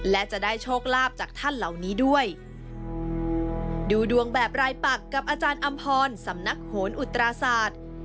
และจะได้โชคลาภจากท่านเหล่านี้ด้วยดูดวงแบบรายปักกับอาจารย์อำพรสำนักโหนอุตราศาสตร์